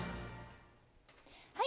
はい。